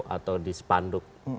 atau di spanduk